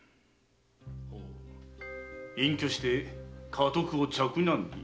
隠居して家督を嫡男に？